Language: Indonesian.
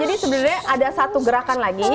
jadi sebenarnya ada satu gerakan lagi